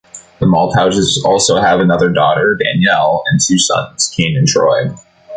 The Malthouses also have another daughter, Danielle, and two sons, Cain and Troy.